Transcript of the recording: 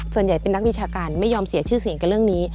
ส่วนใหญ่เป็นนักวิชาการไม่ยอมเสียชื่อเสียงกับเรื่องนี้